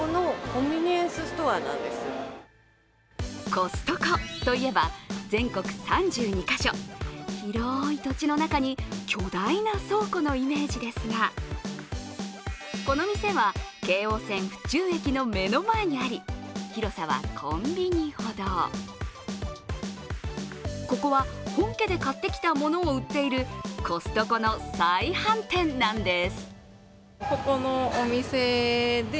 コストコといえば全国３２か所、広い土地の中に巨大な倉庫のイメージですが、この店は、京王線府中駅の目の前にあり、広さはコンビニほどここは本家で買ってきたものを売っているコストコの再販店なんです。